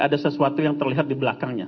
ada sesuatu yang terlihat di belakangnya